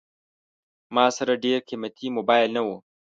ما سره ډېر قیمتي موبایل نه و.